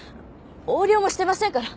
横領もしてませんから。